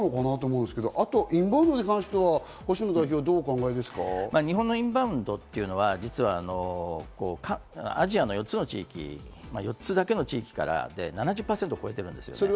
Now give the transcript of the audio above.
インバウンドに関しては星野日本のインバウンドっていうのは実はアジアのつの地域、４つだけの地域から７０％を超えてるんです。